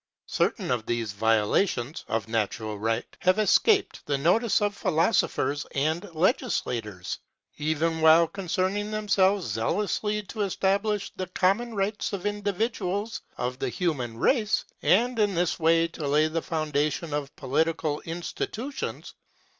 Certain of these violations (of natural right) have escaped the notice of philosophers and legislators, even while concerning themselves zealously to establish the common rights of individuals of the human race, and in this way to lay the foundation of political institutions.